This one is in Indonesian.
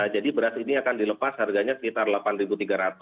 jadi beras ini akan dilepas harganya sekitar delapan tiga ratus